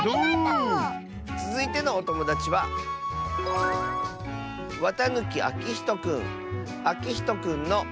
つづいてのおともだちはあきひとくんの。